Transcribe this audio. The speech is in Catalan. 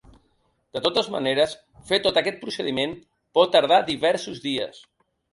De totes maneres, fer tot aquest procediment, pot tardar diversos dies.